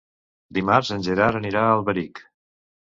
Dimarts en Gerard anirà a Alberic.